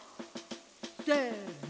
せの！